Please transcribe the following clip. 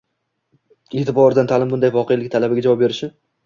e’tiboridan ta’lim bunday voqelik talabiga javob berishi